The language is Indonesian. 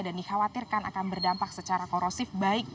dan dikhawatirkan akan berdampak secara korosif